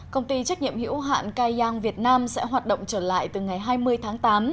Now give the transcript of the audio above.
công ty trách nhiệm hữu hạn cai giang việt nam sẽ hoạt động trở lại từ ngày hai mươi tháng tám